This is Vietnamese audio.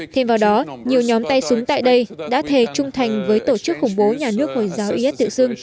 thêm vào đó nhiều nhóm tay súng tại đây đã thề trung thành với tổ chức khủng bố nhà nước hồi giáo is tự xưng